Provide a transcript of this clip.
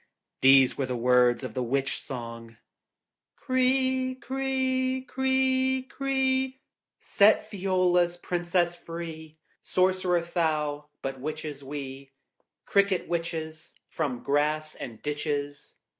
These were the words of the witch song: 'Cree cree cree cree Set Fiola's Princess free. Sorcerer thou, but Witches we Cricket Witches, from grass and ditches.